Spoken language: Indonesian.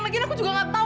lagian aku juga gak tahu